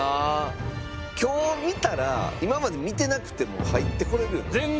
きょう見たら今まで見てなくても入ってこれるよね。